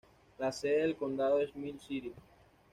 La sede del condado es Miles City.